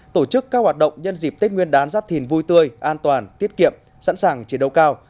tổ chức các hoạt động nhân dịp tết nguyên đán giáp thìn vui tươi an toàn tiết kiệm sẵn sàng chiến đấu cao